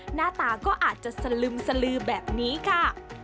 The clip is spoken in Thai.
หน้าตาก็อาจจะสลึมสลือแบบนี้ค่ะ